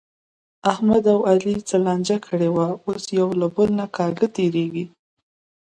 احمد او علي څه لانجه کړې وه، اوس یو له بل نه کاږه تېرېږي.